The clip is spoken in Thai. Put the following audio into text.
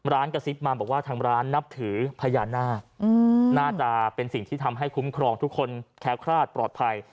ร้านกระซิบมาบอกว่าทางร้านนับถือพญานาคน่าจะเป็นสิ่งที่ทำให้คุ้มครองทุกคนแค้วคลาดปลอดภัย